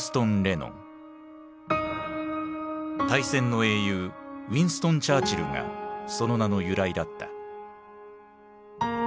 大戦の英雄ウィンストン・チャーチルがその名の由来だった。